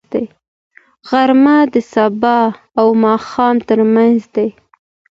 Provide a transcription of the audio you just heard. غرمه د سبا او ماښام ترمنځ دی